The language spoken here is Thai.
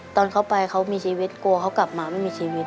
ตอนเขาไปเขามีชีวิตกลัวเขากลับมาไม่มีชีวิต